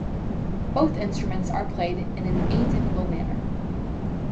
Both instruments are played in an atypical manner.